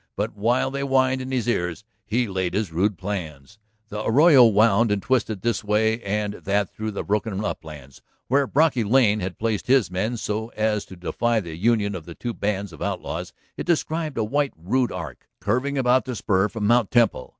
But while they whined in his ears he laid his rude plans. The arroyo wound and twisted this way and that through the broken uplands. Where Brocky Lane had placed his men so as to defy the union of the two bands of outlaws it described a wide rude arc curving about the spur from Mt. Temple.